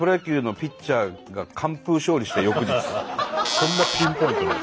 そんなピンポイントで。